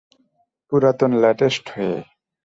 পুরাতন ল্যাস্টেট হয়ে।